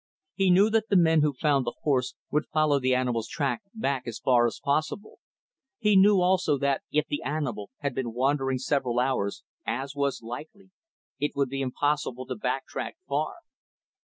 He knew that the men who found the horse would follow the animal's track back as far as possible. He knew, also, that if the animal had been wandering several hours, as was likely, it would be impossible to back track far.